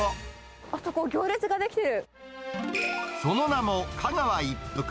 あそこ、その名も、香川一福。